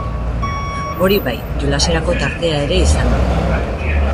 Hori bai, jolaserako tartea ere izan dugu.